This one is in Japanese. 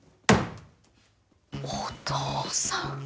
お父さん。